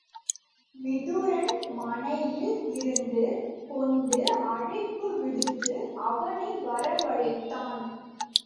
விதுரன் மனையில் இருந்து கொண்டு அழைப்பு விடுத்து அவனை வரவழைத்தான்.